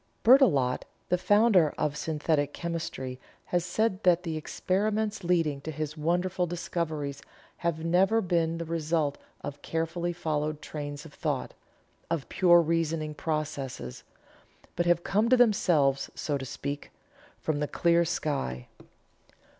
Berthelot, the founder of Synthetic Chemistry has said that the experiments leading to his wonderful discoveries have never been the result of carefully followed trains of thought of pure reasoning processes but have come of themselves, so to speak, from the clear sky.